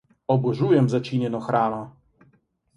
Obožujem začinjeno hrano!